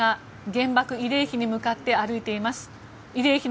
首脳らが原爆慰霊碑に向かって歩いています。